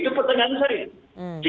itu pertanyaan saya